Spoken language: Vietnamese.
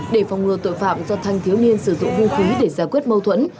để phòng ngừa tội phạm do thanh thiếu niên sử dụng hung khí để giải quyết mâu thuẫn